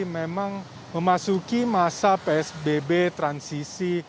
memang memasuki masa psbb transisi